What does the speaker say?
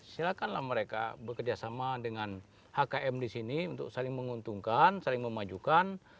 silakanlah mereka bekerjasama dengan hkm di sini untuk saling menguntungkan saling memajukan